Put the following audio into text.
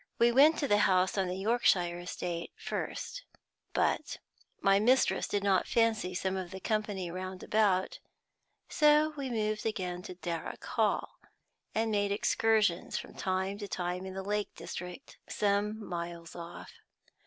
We went to the house on the Yorkshire estate first; but my mistress did not fancy some of the company round about, so we moved again to Darrock Hall, and made excursions from time to time in the lake district, some miles off.